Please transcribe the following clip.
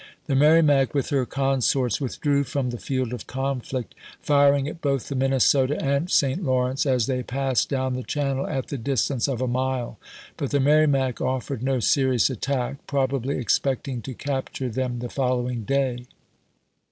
The Merrimac, with her consorts, withdrew from the field of conflict, firing at both the Minnesota and St. Lawrence as they passed down the channel at the distance of a mile, but the Merrimac offered no serious attack, probably expecting to capture them the following day.